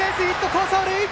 好走塁！